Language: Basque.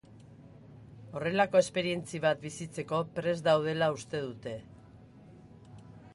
Horrelako esperientzia bat bizitzeko prest daudela uste dute.